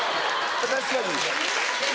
確かに。